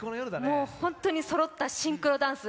本当にそろったシンクロダンス